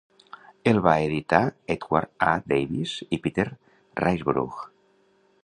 El va editar Edward A. Davis i Peter Riseborough.